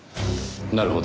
なるほど。